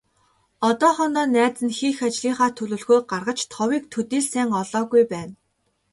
Одоохондоо найз нь хийх ажлынхаа төлөвлөгөөг гаргаж, товыг төдий л сайн олоогүй байна.